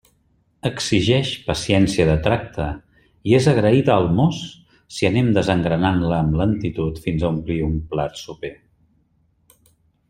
Exigeix paciència de tracte i és agraïda al mos si anem desengranant-la amb lentitud fins a omplir un plat soper.